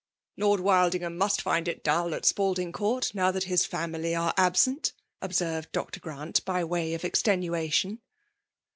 ,." Lord Wildingham must find it dull at ^aldin;^ Court, now that his family arc aV. s^nt,*' observed Dr« Grant, by way of extenua* tion.